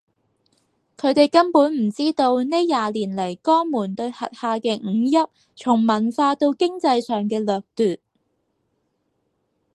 佢哋根本唔知道呢廿年嚟江門對轄下嘅五邑從文化到經濟上嘅掠奪